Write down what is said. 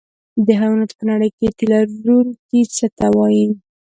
د حیواناتو په نړۍ کې تی لرونکي څه ته وایي